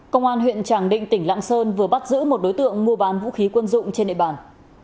công an huyện tràng định tỉnh lạng sơn vừa bắt giữ một đối tượng mua bán vũ khí quân dụng trên địa bàn